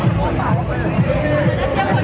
ว้าวว้าวว้าวว้าวว้าวว้าว